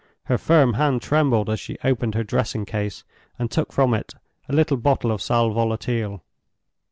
Her firm hand trembled as she opened her dressing case and took from it a little bottle of sal volatile.